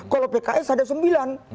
kalau pks ada sembilan